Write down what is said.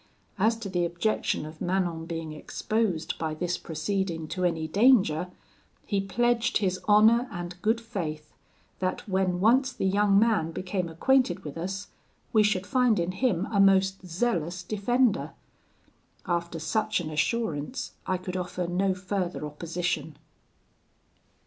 As to the objection of Manon being exposed by this proceeding to any danger, he pledged his honour and good faith, that when once the young man became acquainted with us, we should find in him a most zealous defender. After such an assurance, I could offer no further opposition.